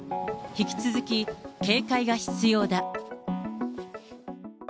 引き続き警戒が必要だ。